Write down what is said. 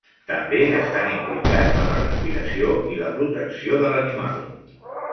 També estan implicats en la respiració i la protecció de l'animal.